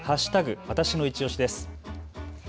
わたしのいちオシです。